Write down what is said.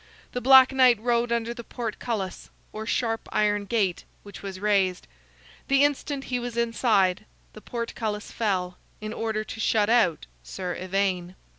The Black Knight rode under the portcullis, or sharp iron gate, which was raised. The instant he was inside, the portcullis fell, in order to shut out Sir Ivaine.